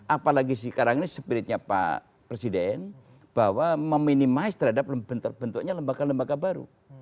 apalagi sekarang ini spiritnya pak presiden bahwa meminimize terhadap terbentuknya lembaga lembaga baru